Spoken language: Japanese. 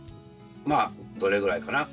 まあどれぐらいかな？